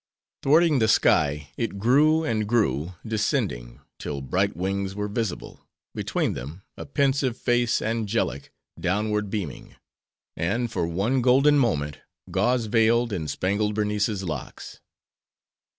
Thwarting the sky, it grew, and grew, descending; till bright wings were visible: between them, a pensive face angelic, downward beaming; and, for one golden moment, gauze vailed in spangled Berenice's Locks.